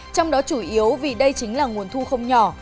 trong đó chủ yếu vì đây chính là nguồn thu không nhỏ